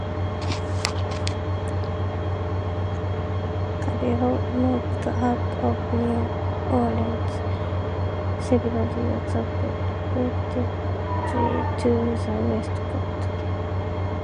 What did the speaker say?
Carrillo moved out of New Orleans several years ago, reportedly to the West Coast.